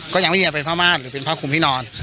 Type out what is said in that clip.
ก็ยังไม่ยอมเป็นผ้าม่านหรือเป็นผ้าคุมที่นอน